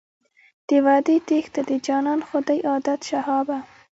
د وعدې تېښته د جانان خو دی عادت شهابه.